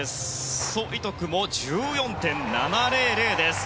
ソ・イトク、１４．７００です。